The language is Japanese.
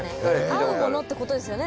合うものってことですよね？